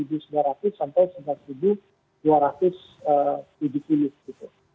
yang berikutnya yang kita rekomendasi beli inkp ya sembilan ribu sembilan ratus sembilan ribu dua ratus tujuh puluh tujuh